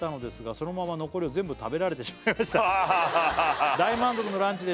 「そのまま残りを全部食べられてしまいました」「大満足のランチでしたが」